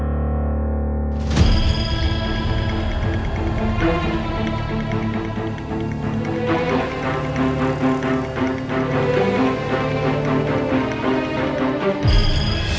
dia sudah berada di rumahnya